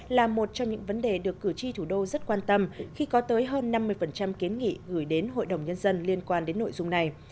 là một trong những vấn đề được cử tri thủ đô rất quan tâm khi có tới hơn năm mươi kiến nghị gửi đến hội đồng nhân dân liên quan đến nội dung này